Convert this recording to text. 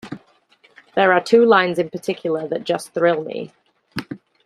There are two lines in particular that just thrill me.